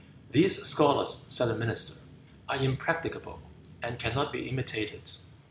"These scholars," said the minister, "are impracticable, and cannot be imitated.